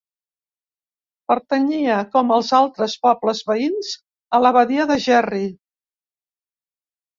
Pertanyia, com els altres pobles veïns, a l'abadia de Gerri.